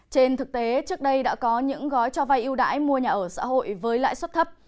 trên thực tế trước đây đã có những gói cho vay yêu đãi mua nhà ở xã hội với lãi suất thấp